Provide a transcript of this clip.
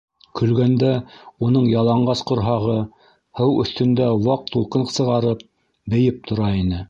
Көлгәндә уның яланғас ҡорһағы, һыу өҫтөндә ваҡ тулҡын сығарып, бейеп тора ине.